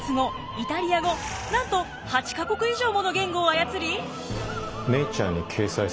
イタリア語なんと８か国以上もの言語を操り。